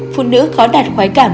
phụ nữ khó đạt khoái cảm